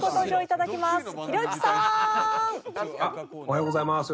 おはようございます。